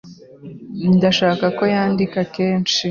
Ndashaka ko yandika kenshi.